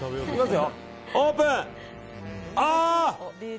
オープン！